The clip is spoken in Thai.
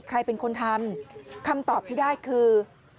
ใครเป็นคนทำคำตอบที่ได้คือ